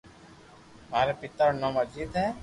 ماري پيتا رو نوم اجيت ھي